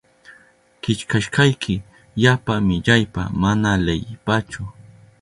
Killkashkayki yapa millaypa mana leyipachu.